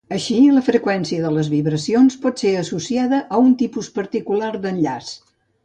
Així, la freqüència de les vibracions pot ser associada amb un tipus particular d'enllaç.